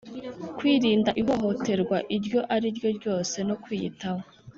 kwirinda ihohoterwa iryo ariryo ryose no kwiyitaho.